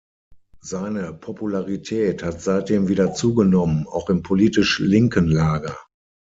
Seine Popularität hat seitdem wieder zugenommen, auch im politisch linken Lager.